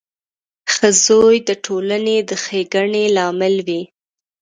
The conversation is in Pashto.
• ښه زوی د ټولنې د ښېګڼې لامل وي.